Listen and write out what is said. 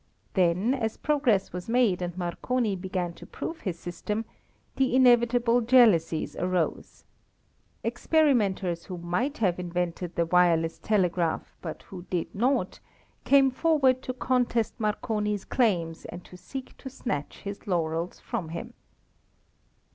Then, as progress was made and Marconi began to prove his system, the inevitable jealousies arose. Experimenters who might have invented the wireless telegraph, but who did not, came forward to contest Marconi's claims and to seek to snatch his laurels from him.